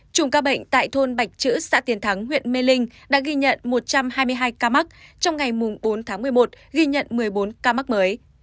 chủng ca bệnh tại thôn bạch chữ xã tiền thắng huyện mê linh đã ghi nhận một trăm hai mươi hai ca mắc trong ngày bốn tháng một mươi một ghi nhận một mươi bốn ca mắc mới